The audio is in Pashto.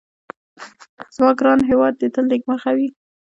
زما ګران هيواد دي تل نيکمرغه وي